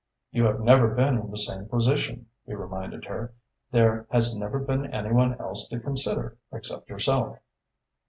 "You have never been in the same position," he reminded her. "There has never been any one else to consider except yourself."